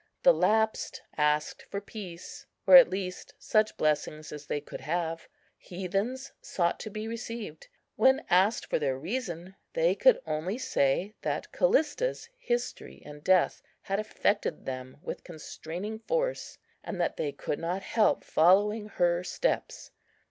The lapsed asked for peace, or at least such blessings as they could have. Heathens sought to be received. When asked for their reason, they could only say that Callista's history and death had affected them with constraining force, and that they could not help following her steps.